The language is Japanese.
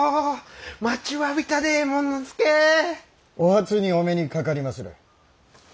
お初にお目にかかりまする。